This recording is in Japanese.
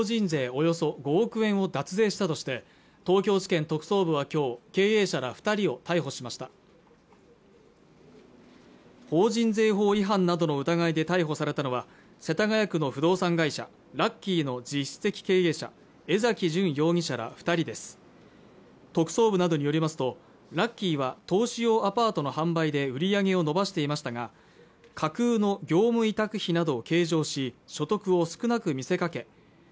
およそ５億円を脱税したとして東京地検特捜部はきょう経営者ら二人を逮捕しました法人税法違反などの疑いで逮捕されたのは世田谷区の不動産会社ラッキーの実質的経営者江崎純容疑者ら二人です特捜部などによりますとラッキーは投資用アパートの販売で売り上げを伸ばしていましたが架空の業務委託費などを計上し所得を少なく見せかけ